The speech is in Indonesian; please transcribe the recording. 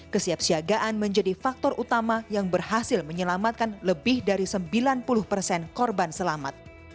kesiapsiagaan menjadi faktor utama yang berhasil menyelamatkan lebih dari sembilan puluh persen korban selamat